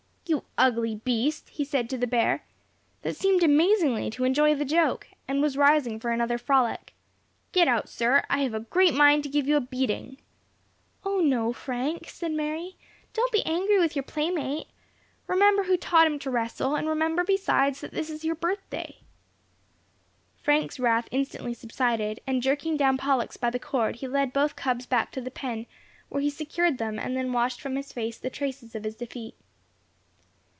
"You ugly beast," he said to the bear, that seemed amazingly to enjoy the joke, and was rising for another frolic. "Get out, sir. I have a great mind to give you a beating." "O, no, Frank," said Mary, "don't be angry with your playmate. Remember who taught him to wrestle, and remember besides that this is your birthday." Frank's wrath instantly subsided, and jerking down Pollux by the cord, he led both cubs back to the pen, where he secured them, and then washed from his face the traces of his defeat.